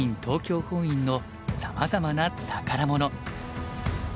東京本院のさまざまな宝物。